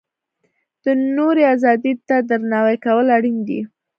د نورو ازادۍ ته درناوی کول اړین دي.